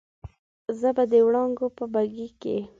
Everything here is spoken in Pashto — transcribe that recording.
زه به د وړانګو په بګۍ کې